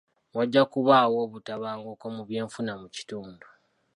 Wajja kubaawo okutabanguka mu byenfuna mu kitundu.